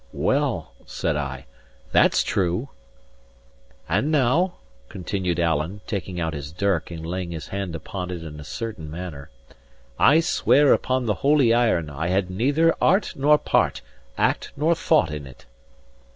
"Well," said I, "that's true!" "And now," continued Alan, taking out his dirk and laying his hand upon it in a certain manner, "I swear upon the Holy Iron I had neither art nor part, act nor thought in it."